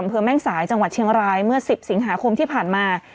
อำเภอแม่สายจังหวัดเชียงรายเมื่อ๑๐สิงหาคมที่ผ่านมา